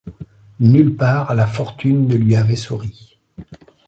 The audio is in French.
Nulle part la fortune ne lui avait souri.